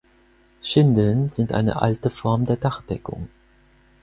Schindeln sind eine alte Form der Dachdeckung.